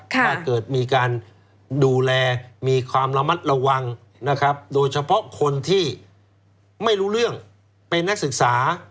ถ้าเกิดมีการดูแลมีความระมัดระวังนะครับโดยเฉพาะคนที่ไม่รู้เรื่องเป็นนักศึกษา